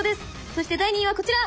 そして第２位はこちら！